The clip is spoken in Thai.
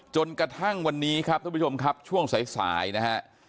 จนกระทั่งวันนี้ครับท่านผู้ชมครับช่วงสายนะฮะ